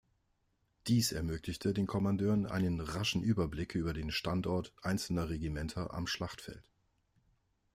Dies ermöglichte den Kommandeuren einen raschen Überblick über den Standort einzelner Regimenter am Schlachtfeld.